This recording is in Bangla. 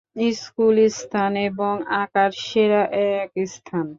স্কুল স্থান এবং আকার সেরা এক স্থান।